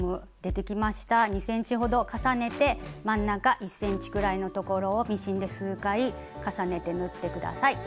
２ｃｍほど重ねて真ん中１ｃｍくらいの所をミシンで数回重ねて縫って下さい。